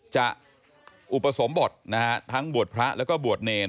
อุปสมบทนะฮะทั้งบวชพระแล้วก็บวชเนร